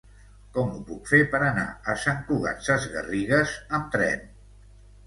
Com ho puc fer per anar a Sant Cugat Sesgarrigues amb tren?